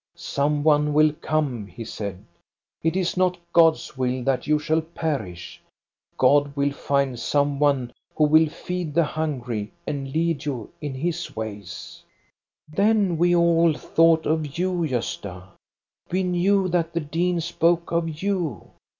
* Some one will come,* he said. * It is not God's will that you shall perish. God will find some one who will feed the hungry and lead you in His ways.' " Then we ail thought of you, Gosta. We knew that the dean spoke of you.